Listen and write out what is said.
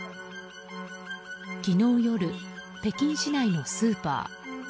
昨日夜、北京市内のスーパー。